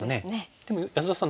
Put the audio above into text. でも安田さん